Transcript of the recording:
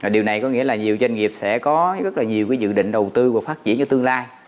điều này có nghĩa là nhiều doanh nghiệp sẽ có rất là nhiều dự định đầu tư và phát triển cho tương lai